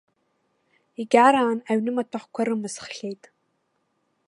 Егьараан аҩнымаҭәахәқәа рымысххьеит.